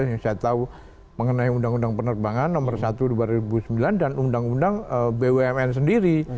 yang saya tahu mengenai undang undang penerbangan nomor satu dua ribu sembilan dan undang undang bumn sendiri